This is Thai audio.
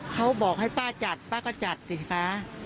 เขาบอกให้ป้าจัดป้าก็จัดสิคะ